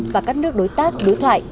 và các nước đối tác đối thoại